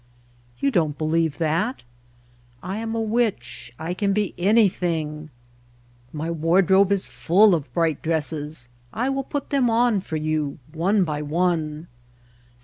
You don't believe that? I am a witch, I can be anything. My wardrobe is The Mountain Spring full of bright dresses. I will put them on for you one by one.